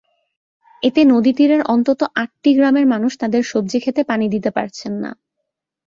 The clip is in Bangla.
এতে নদীতীরের অন্তত আটটি গ্রামের মানুষ তাঁদের সবজিখেতে পানি দিতে পারছেন না।